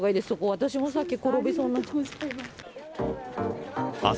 私もさっき、転びそうになった。